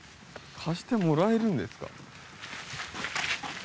貸してもらえるんですか？